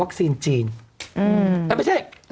อันไม่ใช่เอ๋ไวรัสจีน